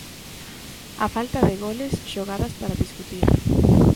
A falta de goles, xogadas para discutir.